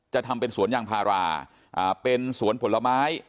ทำเป็นสวนยางพาราเป็นสวนผลไม้